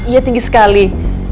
iya tinggi sekali